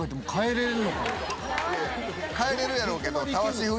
変えれるやろうけど。